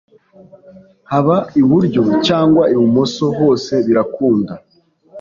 haba iburyo cyangwa ibumoso hose birakunda